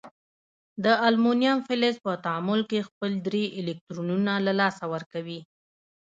د المونیم فلز په تعامل کې خپل درې الکترونونه له لاسه ورکوي.